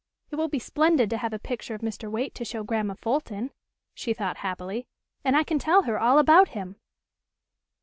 "It will be splendid to have a picture of Mr. Waite to show Grandma Fulton," she thought happily, "and I can tell her all about him."